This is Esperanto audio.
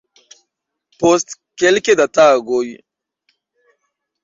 Post kelke da tagoj.